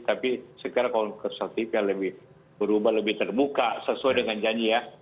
tapi sekarang konservatif yang berubah lebih terbuka sesuai dengan janji ya